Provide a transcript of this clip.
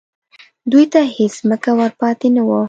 دوی ته هېڅ ځمکه ور پاتې نه وه